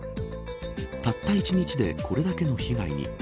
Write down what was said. たった１日でこれだけの被害に。